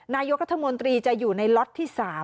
นายกรัฐมนตรีจะอยู่ในล็อตที่๓